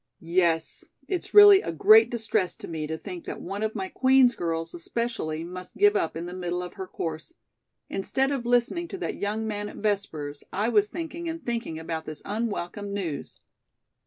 "Yes. It's really a great distress to me to think that one of my Queen's girls especially must give up in the middle of her course. Instead of listening to that young man at Vespers, I was thinking and thinking about this unwelcome news."